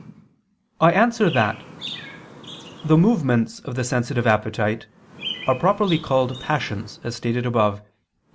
I answer that, The movements of the sensitive appetite, are properly called passions, as stated above (Q.